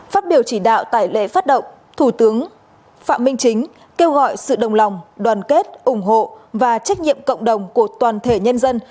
phát biểu chỉ đạo tại lễ phát động thủ tướng phạm minh chính kêu gọi sự đồng lòng đoàn kết ủng hộ và trách nhiệm cộng đồng của toàn thể nhân dân